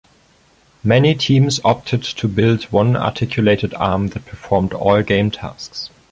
Many teams opted to build one articulated arm that performed all game tasks.